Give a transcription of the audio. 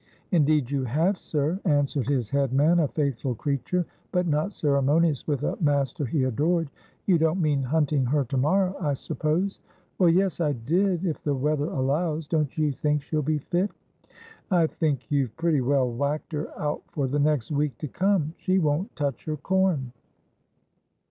' Indeed you have, sir,' answered his head man — a faithful creature, but not ceremonious with a master he adored. 'You don't mean hunting her to morrow, I suppose ?'' Well, yes, I did, if the weather allows. Don't you think she'll be fit?' ' I think you've pretty well whacked her out for the next week to come. She won't touch her corn.'